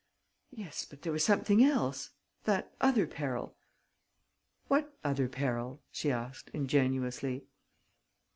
"Yes, but there was something else: that other peril...." "What other peril?" she asked, ingenuously.